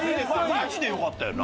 マジで良かったよな。